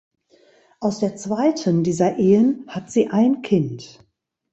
Aus der zweiten dieser Ehen hat sie ein Kind.